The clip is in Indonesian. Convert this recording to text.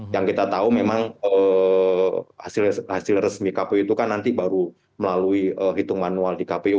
yang kita tahu memang hasil resmi kpu itu kan nanti baru melalui hitung manual di kpu